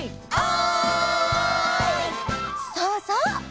そうそう！